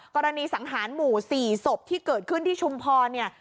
กรณีสังหารหมู่๔ศพที่เกิดขึ้นที่ชุมพรเนี่ย